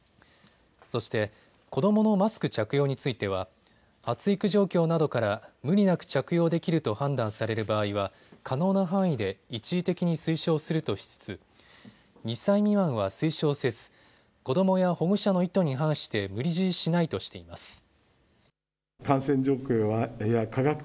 そして子どものマスク着用については発育状況などから無理なく着用できると判断される場合は可能な範囲で一時的に推奨するとしつつ２歳未満は推奨せず子どもや保護者の意図に反して無理強いしないとしています。